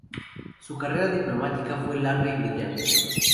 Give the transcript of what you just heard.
Su carrera diplomática fue larga y brillante.